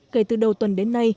kể từ đầu tuần đến nay